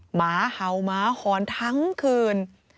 หมาเห่าหมาหอนทั้งคืน